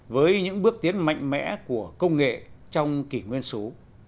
với những bước tiến mạnh mẽ của công nghệ trong kỷ nguyên số